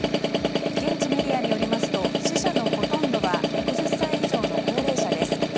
現地メディアによりますと死者のほとんどは６０歳以上の高齢者です。